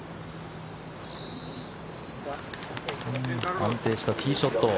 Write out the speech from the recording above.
安定したティーショット。